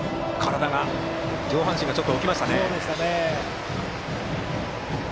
上半身がちょっと起きました。